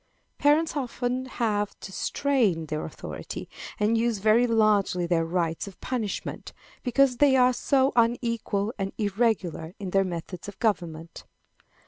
Parents often have to strain their authority, and use very largely their right of punishment, because they are so unequal and irregular in their methods of government.